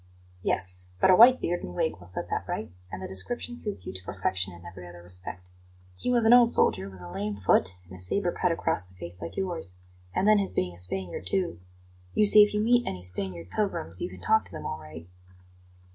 "Yes; but a white beard and wig will set that right, and the description suits you to perfection in every other respect. He was an old soldier, with a lame foot and a sabre cut across the face like yours; and then his being a Spaniard, too you see, if you meet any Spanish pilgrims, you can talk to them all right."